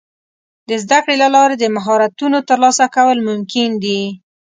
د زده کړې له لارې د مهارتونو ترلاسه کول ممکن دي.